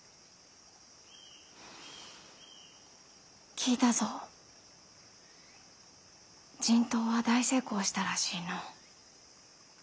聞いたぞ人痘は大成功したらしいの。